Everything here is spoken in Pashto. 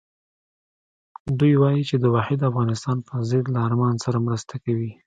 دوی وایي چې د واحد افغانستان پر ضد له ارمان سره مرسته کوي.